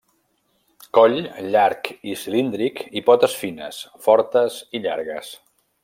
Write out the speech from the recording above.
Coll llarg i cilíndric i potes fines, fortes i llargues.